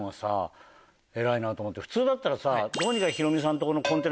普通だったらさ。